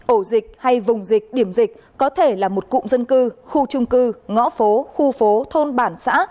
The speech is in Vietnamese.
ổ dịch hay vùng dịch điểm dịch có thể là một cụm dân cư khu trung cư ngõ phố khu phố thôn bản xã